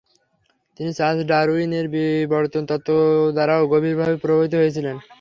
তিনি Charles Darwin এর বিবর্তন তত্ত্ব দ্বারাও গভীরভাবে প্রভাবিত হয়েছিলেন।